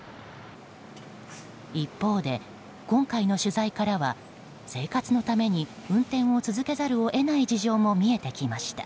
一方で、今回の取材からは生活のために運転を続けざるを得ない事情も見えてきました。